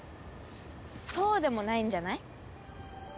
そうでもないんじゃない？